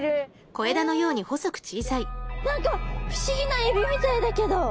え何か不思議なエビみたいだけど。